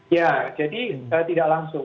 ya jadi tidak langsung